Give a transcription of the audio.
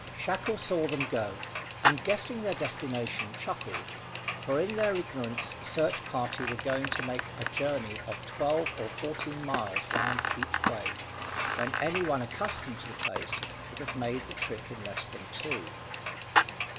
Shackle saw them go, and, guessing their destination, chuckled; for in their ignorance the search party were going to make a journey of twelve or fourteen miles round each way, when any one accustomed to the place would have made the trip in less than two.